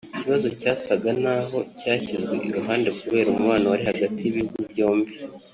ikibazo cyasaga n’aho cyashyizwe iruhande kubera umubano wari hagati y’ibihugu byombi